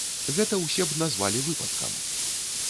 Гэта ўсе б назвалі выпадкам.